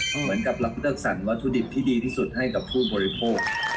เหมือนกับรักษณ์วัตถุดิบที่ดีที่สุดให้กับผู้บริโภค